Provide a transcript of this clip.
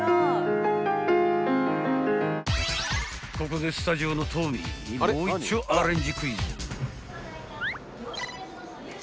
［ここでスタジオのトミーにもういっちょアレンジクイズ］